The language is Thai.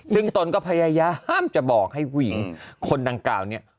ซึ่งตนก็พยายามจะบอกให้ผู้หญิงคนดังกล่าวเนี่ย